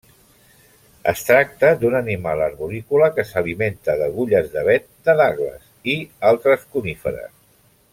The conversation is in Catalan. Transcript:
Es tracta d'un animal arborícola que s'alimenta d'agulles d'avet de Douglas i altres coníferes.